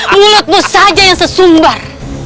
mulutmu saja yang sesumbar